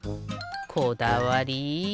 こだわり！